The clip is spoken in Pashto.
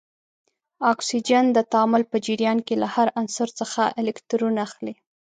اکسیجن د تعامل په جریان کې له هر عنصر څخه الکترون اخلي.